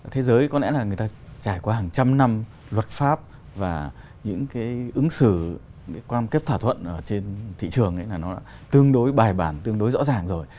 thế giới có lẽ là người ta trải qua hàng trăm năm luật pháp và những ứng xử quan kết thỏa thuận trên thị trường tương đối bài bản tương đối rõ ràng rồi